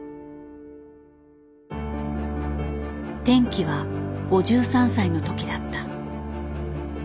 転機は５３歳の時だった。